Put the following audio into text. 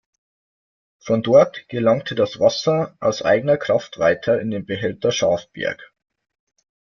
Von dort gelangte das Wasser aus eigener Kraft weiter in den Behälter Schafberg.